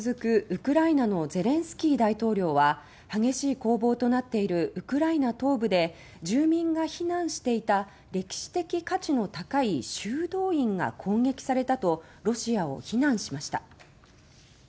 ウクライナのゼレンスキー大統領は激しい攻防となっているウクライナ東部で住民が避難していた歴史的価値の高い修道院が攻撃されたとロシアを非難しました。